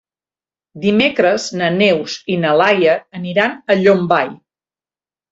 Dimecres na Neus i na Laia aniran a Llombai.